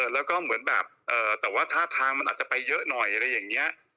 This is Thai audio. แล้วก็เหมือนแบบแต่ว่าท่าทางมันอาจจะไปเยอะหน่อยอะไรอย่างนี้